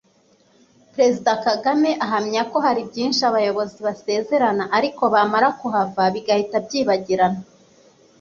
Perezida Kagame ahamya ko hari byinshi abayobozi basezerana ariko bamara kuhava bigahita byibagirana